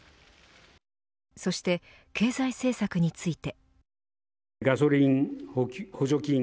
そして、経済政策について。